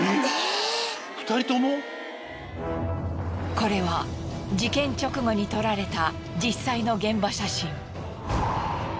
これは事件直後に撮られた実際の現場写真。